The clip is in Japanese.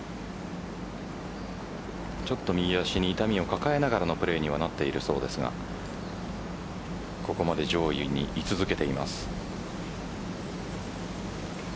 ちょっと右足に痛みを抱えながらのプレーにはなっているそうですがここまで上位に居続けています。